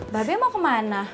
mbak be mau kemana